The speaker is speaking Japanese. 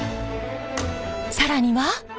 更には。